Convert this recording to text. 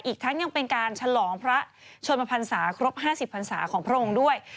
อีกทั้งยังเป็นการฉลองพระชนมพันศาครบ๕๐พันศาของพระองค์ด้วย